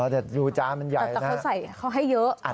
แต่เขาใส่เขาให้เยอะ